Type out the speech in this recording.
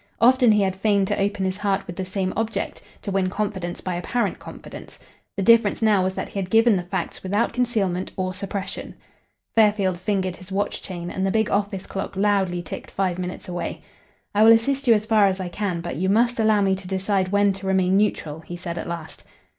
Often he had feigned to open his heart with the same object to win confidence by apparent confidence. The difference now was that he had given the facts without concealment or suppression. Fairfield fingered his watch chain, and the big office clock loudly ticked five minutes away. "I will assist you as far as I can, but you must allow me to decide when to remain neutral," he said at last.